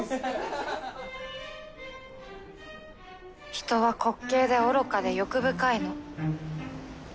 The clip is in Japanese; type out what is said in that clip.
人は滑稽で愚かで欲深いの。